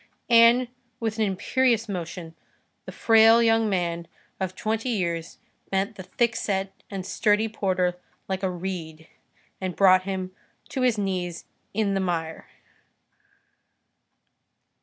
And, with an imperious motion, the frail young man of twenty years bent the thickset and sturdy porter like a reed, and brought him to his knees in the mire.